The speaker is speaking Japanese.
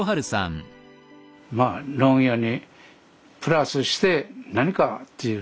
まあ農業にプラスして何かっていうことでね。